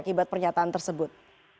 akibat pernyataan tersebut